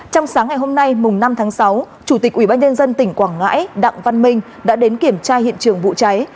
trong sáng ngày hôm nay năm tháng sáu chủ tịch ubnd tỉnh quảng ngãi đặng văn minh đã đến kiểm tra hiện trường vụ cháy